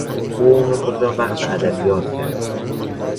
او عمر خود را وقف ادبیات کرد.